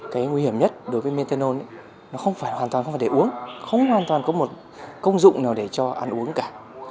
cái nguy hiểm nhất đối với methanol nó không phải hoàn toàn không phải để uống không hoàn toàn có một công dụng nào để cho ăn uống cả